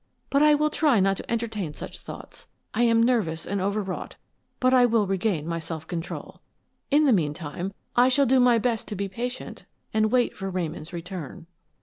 But I will try not to entertain such thoughts. I am nervous and overwrought, but I will regain my self control. In the meantime, I shall do my best to be patient and wait for Ramon's return."